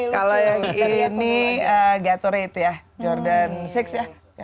kalau yang ini gatorate ya jordan enam ya